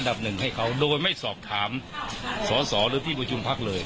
อันดับหนึ่งให้เขาโดยไม่สอบถามส่อหรือพี่ประชุมภักดิ์เลย